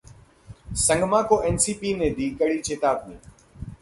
संगमा को एनसीपी ने दी कड़ी चेतावनी